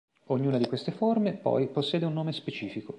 Ognuna di queste forme, poi, possiede un nome specifico.